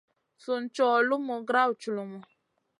Sùn cow lumu grawd culumu.